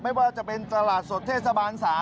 ไม่ว่าจะเป็นตลาดสดเทศบาล๓